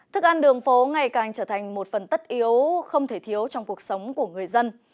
thức ăn đường phố ngày càng trở thành một phần tất yếu không thể thiếu trong cuộc sống của người dân